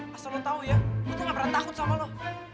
masa lo tau ya gue tuh gak berat takut sama lo